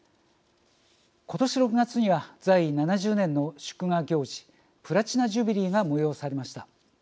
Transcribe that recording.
今年６月には在位７０年の祝賀行事「プラチナ・ジュビリー」が催されました。